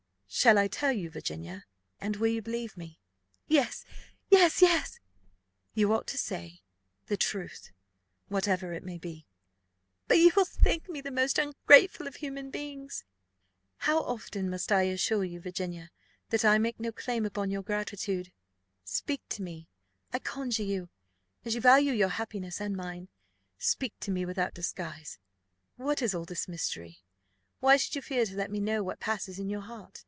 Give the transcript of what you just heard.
"Shall I tell you, Virginia? And will you believe me?" "Yes, yes, yes!" "You ought to say the truth, whatever it may be." "But you will think me the most ungrateful of human beings?" "How often must I assure you, Virginia, that I make no claim upon your gratitude? Speak to me I conjure you, as you value your happiness and mine speak to me without disguise! What is all this mystery? Why should you fear to let me know what passes in your heart?